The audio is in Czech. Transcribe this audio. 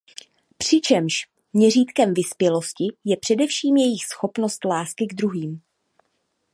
Přičemž měřítkem vyspělosti je především jejich schopnost lásky k druhým.